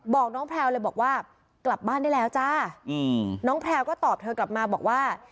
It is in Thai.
บอกน้องแพลวเลยบอกว่ากลับบ้านได้แล้วจ้าน้องแพลวก็ตอบเธอกลับมาบอกว่า